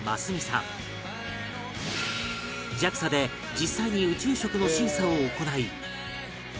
ＪＡＸＡ で実際に宇宙食の審査を行い